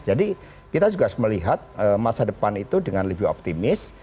jadi kita juga harus melihat masa depan itu dengan lebih optimis